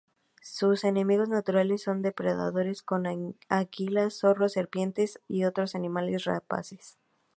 Sus enemigos naturales son depredadores como águilas, zorros, serpientes y otros animales rapaces.